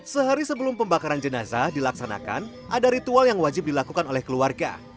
sehari sebelum pembakaran jenazah dilaksanakan ada ritual yang wajib dilakukan oleh keluarga